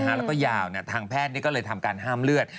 แล้วก็ยาวทางแพทย์ก็เลยทำการห้ามเลือด